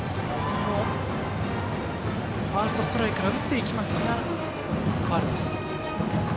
ファーストストライクから打っていきますがファウル。